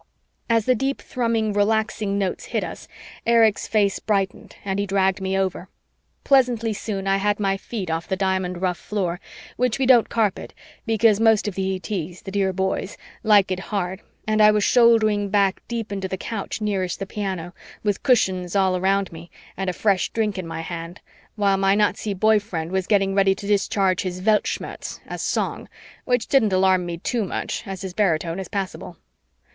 As the deep thrumming relaxing notes hit us, Erich's face brightened and he dragged me over. Pleasantly soon I had my feet off the diamond rough floor, which we don't carpet because most of the ETs, the dear boys, like it hard, and I was shouldering back deep into the couch nearest the piano, with cushions all around me and a fresh drink in my hand, while my Nazi boy friend was getting ready to discharge his Weltschmerz as song, which didn't alarm me too much, as his baritone is passable.